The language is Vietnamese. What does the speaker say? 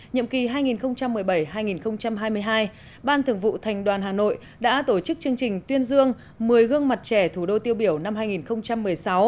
nhiệm kỳ hai nghìn một mươi bảy hai nghìn hai mươi hai ban thường vụ thành đoàn hà nội đã tổ chức chương trình tuyên dương một mươi gương mặt trẻ thủ đô tiêu biểu năm hai nghìn một mươi sáu